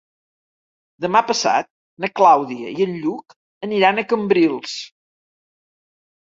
Demà passat na Clàudia i en Lluc aniran a Cambrils.